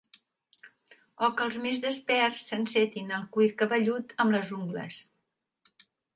O que els més desperts s'encetin el cuir cabellut amb les ungles.